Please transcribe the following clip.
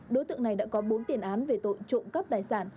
đối tượng này đã có bốn tiền án về tội trộm cắp tài sản